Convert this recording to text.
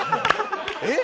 えっ？